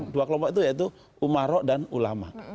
dua kelompok itu yaitu umarok dan ulama